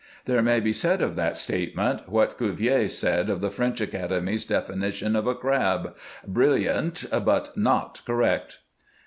There may be said of that statement what Cuvier said of the French Academy's definition of a crab — "briUiant, but not correct."